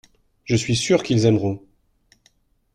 Je suis sûr qu’ils aimeront.